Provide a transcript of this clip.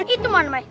itu man my